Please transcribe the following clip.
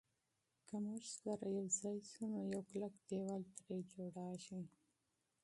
که موږ یو ځای شو نو یو کلک دېوال ترې جوړېږي.